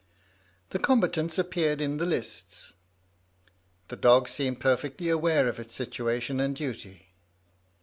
The combatants appeared in the lists. The dog seemed perfectly aware of its situation and duty.